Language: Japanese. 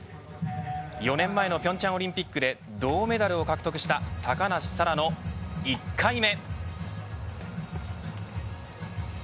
４年前の平昌オリンピックで銅メダルを獲得した高梨沙羅の１回目。